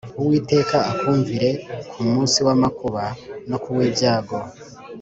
Uwiteka akumvire kumuns i w’ amakuba no k u w’ibyago